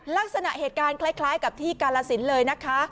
ลักษณะเหตุการณ์คล้ายกับที่กาลสินเลยนะคะ